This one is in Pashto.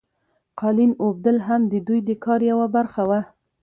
قالین اوبدل هم د دوی د کار یوه برخه وه.